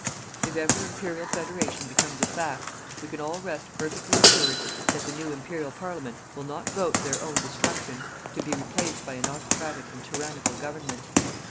If ever Imperial Federation becomes a fact, we can all rest perfectly assured that the new Imperial Parliament will not vote their own destruction to be replaced by an autocratic and tyrannical government.